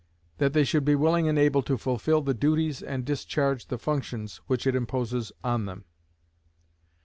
That they should be willing and able to fulfill the duties and discharge the functions which it imposes on them.